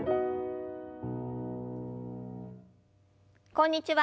こんにちは。